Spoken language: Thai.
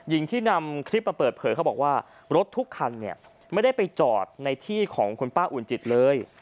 หญิงที่นำคลิปมาเปิดเผยเขาบอกว่ารถทุกคันเนี่ยไม่ได้ไปจอดในที่ของคุณป้าอุ่นจิตเลย